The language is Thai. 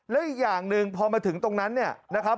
และอีกอย่างหนึ่งพอมาถึงตรงนั้นเนี่ยนะครับ